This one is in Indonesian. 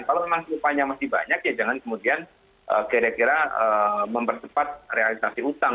kalau memang upahnya masih banyak ya jangan kemudian kira kira mempercepat realisasi utang